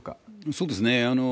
そうですね。